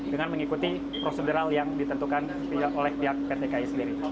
dengan mengikuti prosedural yang ditentukan oleh pihak pt ki sendiri